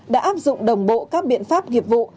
đã áp dụng đồng bộ các biện pháp nghiệp vụ